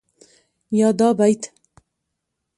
يا دا بيت